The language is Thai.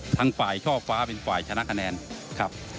ทั้งฝ่ายช่อฟ้าเป็นฝ่ายชนะคะแนนครับ